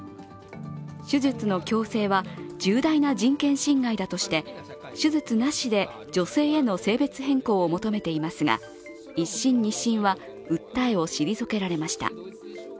手術の強制は重大な人権侵害だとして手術なしで女性への性別変更を求めていますが１審、２審は訴えを退けられました。